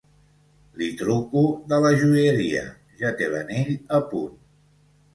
Li truco de la joieria, ja té l'anell a punt.